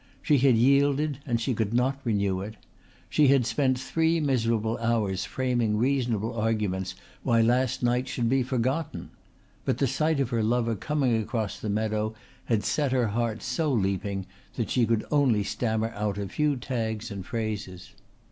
She had yielded and she could not renew it. She had spent three miserable hours framing reasonable arguments why last night should be forgotten. But the sight of her lover coming across the meadow had set her heart so leaping that she could only stammer out a few tags and phrases.